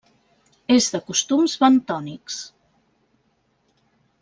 És de costums bentònics.